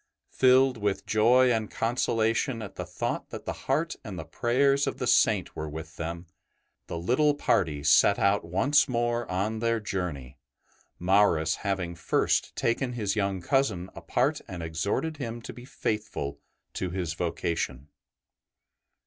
Filled with joy and consolation at the thought that the heart and the prayers of the Saint were with them, the little party set out once more on their journey, Maurus having first taken his young cousin apart and exhorted him to be faithful to his vocation.